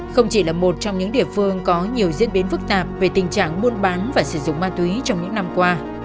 không chỉ là một trong những địa phương có nhiều diễn biến phức tạp về tình trạng buôn bán và sử dụng ma túy trong những năm qua